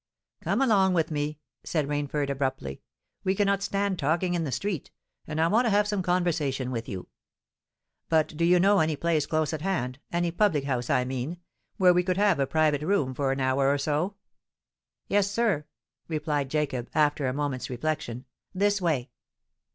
"Come along with me," said Rainford abruptly. "We cannot stand talking in the street—and I want to have some conversation with you. But do you know any place close at hand—any public house, I mean—where we could have a private room for an hour or so?" "Yes, sir," replied Jacob, after a moment's reflection. "This way."